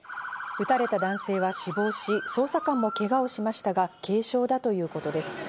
撃たれた男性は死亡し、捜査官もけがをしましたが、軽傷だということです。